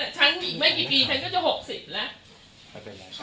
ฉันไม่กี่ปีฉันก็จะหกสิบแล้ว